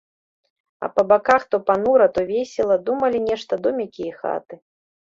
А па баках то панура, то весела думалі нешта домікі і хаты.